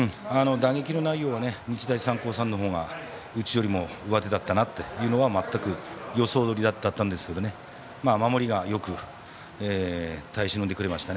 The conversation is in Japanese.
打撃の内容は日大三高さんのほうがうちよりもうわてだったなというのは予想どおりだったんですが守りがよく耐え忍んでくれました。